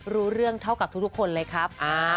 รู้เรื่องเท่ากับทุกคนเลยครับ